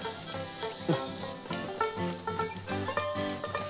うん。